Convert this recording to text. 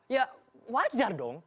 ya wajar dong